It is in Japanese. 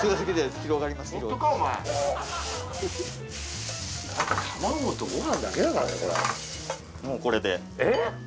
お前もうこれでえっ？